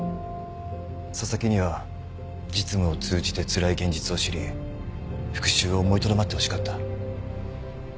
紗崎には実務を通じてつらい現実を知り復讐を思いとどまってほしかった。